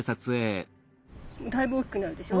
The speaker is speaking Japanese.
だいぶ大きくなるでしょ。